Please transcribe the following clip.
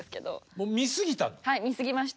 もう見過ぎた？